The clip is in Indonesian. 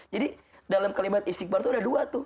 jadi dalam kalimat istighfar itu ada dua